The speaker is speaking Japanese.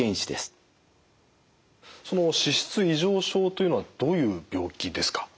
その脂質異常症というのはどういう病気ですか？